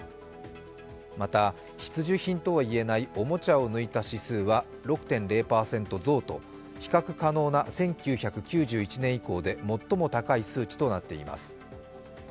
また必需品とはいえないおもちゃを抜いた指数は６．０％増と比較可能な１９９１年以降で最も高い数値となっています。